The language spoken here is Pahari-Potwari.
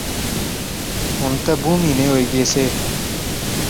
ہن تہ بہوں مہینے ہوئی گئی سے